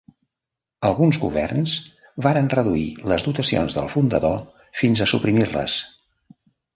Alguns governs varen reduir les dotacions del fundador fins a suprimir-les.